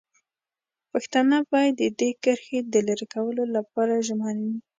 پښتانه باید د دې کرښې د لرې کولو لپاره ژمن وي.